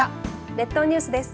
列島ニュースです。